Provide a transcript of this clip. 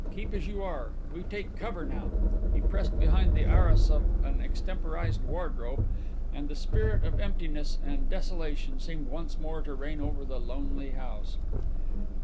Keep as you are. We take cover now." He pressed behind the arras of an extemporized wardrobe, and the spirit of emptiness and desolation seemed once more to reign over the lonely house.